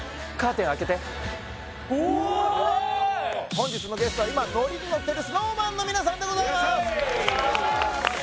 本日のゲストは今ノリにノッてるＳｎｏｗＭａｎの皆さんでございます！